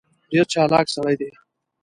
ډېر چالاک سړی دی.